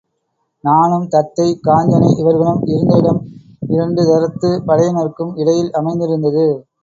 தானும் தத்தை, காஞ்சனை இவர்களும் இருந்த இடம் இரண்டு தரத்துப் படையினருக்கும் இடையில் அமைந்திருந்தது.